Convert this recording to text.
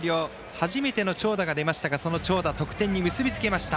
初めての長打が出ましたがその長打、得点に結び付けました。